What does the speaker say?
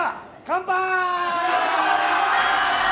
乾杯！